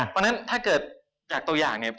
เพราะฉะนั้นถ้าเกิดจากตัวอย่างเนี่ย